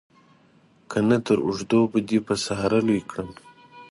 که نه تر اوږده به دې په ساره لوی کړم.